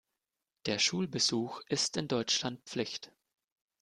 Der Schulbesuch ist in Deutschland Pflicht.